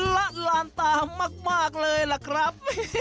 ละลานตามากเลยล่ะครับ